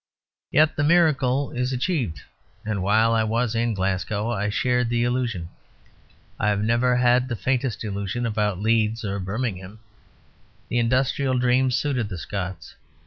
Yet the miracle is achieved; and while I was in Glasgow I shared the illusion. I have never had the faintest illusion about Leeds or Birmingham. The industrial dream suited the Scots.